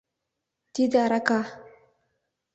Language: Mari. — Тиде арака.